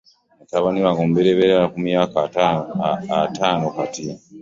Mutabani wange omuberyeberye ali mu myaka ataano kati.